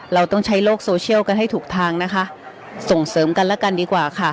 เราต้องใช้โลกโซเชียลกันให้ถูกทางนะคะส่งเสริมกันแล้วกันดีกว่าค่ะ